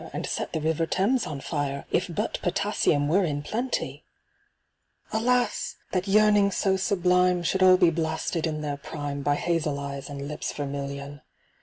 And set the river Thames on fire If but Potassium were in plenty ! 3o8 SCIENTIFIC WOOING. Alas ! that yearnings so sublime Should all be blasted in their prime By hazel eyes and lips vermilion